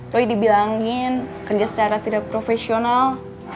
roy dibilangin kerja secara tidak profesional